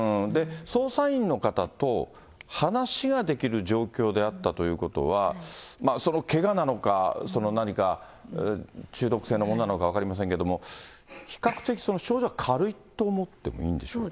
捜査員の方と話ができる状況であったということは、けがなのか、何か中毒性のものなのか分かりませんけれども、比較的、その症状は軽いと思ってもいいんでしょうか。